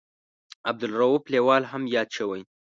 عبدالرووف لیوال هم یاد شوی.